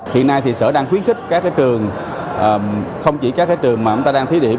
hiện nay thì sở đang khuyến khích các trường không chỉ các trường mà chúng ta đang thí điểm